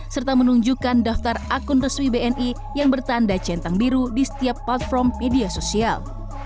serta menunjukkan daftar akun resmi bni yang bertanda centang biru di setiap platform media sosial